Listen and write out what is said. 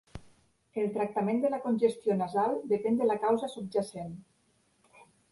El tractament de la congestió nasal depèn de la causa subjacent.